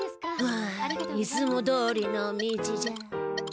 あ。いつもどおりの道じゃ。